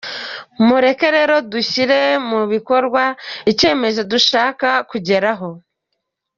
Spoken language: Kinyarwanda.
Mureke rero dushyire mu bikorwa icyerekezo dushaka kugeraho.